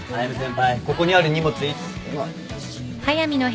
ここにある荷物いつ。